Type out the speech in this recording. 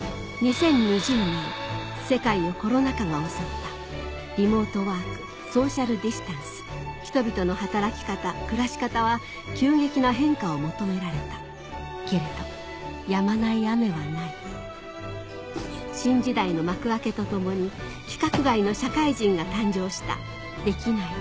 ２０２０年世界をコロナ禍が襲ったリモートワークソーシャルディスタンス人々の働き方暮らし方は急激な変化を求められたけれどやまない雨はない新時代の幕開けとともに規格外の社会人が誕生したデキない